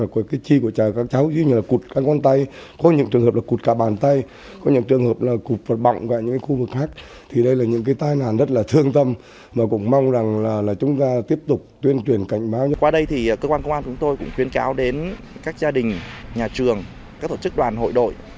qua đây thì cơ quan công an chúng tôi cũng khuyên cáo đến các gia đình nhà trường các tổ chức đoàn hội đội